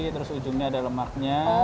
terus ujungnya ada lemaknya